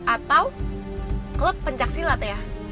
atau lo pencak silat ya